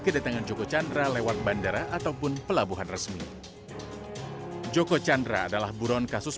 kedatangan joko chandra lewat bandara ataupun pelabuhan resmi joko chandra adalah buron kasus